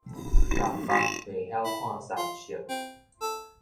儑目袂曉看三色